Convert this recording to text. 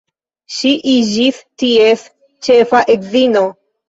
Ŝi iĝis ties ĉefa edzino.